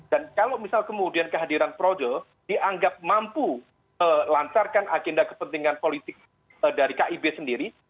kalau misal kemudian kehadiran projo dianggap mampu melancarkan agenda kepentingan politik dari kib sendiri